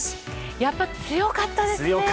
やっぱ強かったですね。